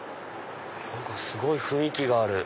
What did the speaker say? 何かすごい雰囲気がある。